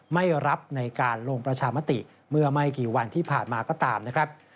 ไม่รับในการลงประชามติเมื่อไม่กี่วันที่ผ่านมาก็ตามนะครับ